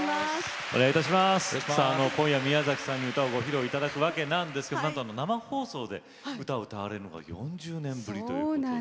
今夜、宮崎さんに歌をご披露いただくわけなんですがなんと生放送で歌を歌われるのは４０年ぶりということで。